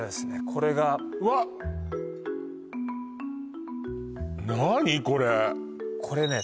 これがわっこれね